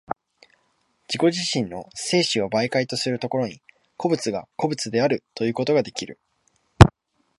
自己自身の生死を媒介とする所に、個物が個物であるということができる。